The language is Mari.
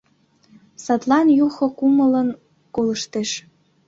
Садлан Юхо кумылын колыштеш.